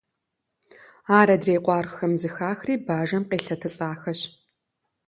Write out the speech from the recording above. Ар адрей къуаргъхэм зэхахри бажэм къелъэтылӀахэщ.